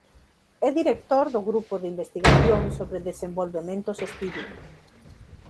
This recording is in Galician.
É director do grupo de investigación sobre desenvolvemento sostible.